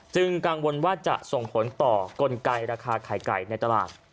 กังวลว่าจะส่งผลต่อกลไกราคาไข่ไก่ในตลาด